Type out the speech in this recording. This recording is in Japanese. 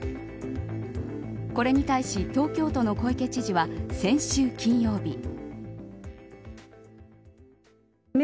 これに対し、東京都の小池知事は先週金曜日。